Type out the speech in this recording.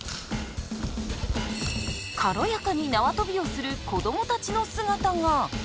軽やかに縄跳びをする子どもたちの姿が！